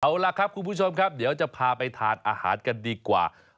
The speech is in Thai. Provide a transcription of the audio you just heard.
เอาล่ะครับคุณผู้ชมครับเดี๋ยวจะพาไปทานอาหารกันดีกว่า